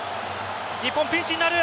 日本ピンチになる。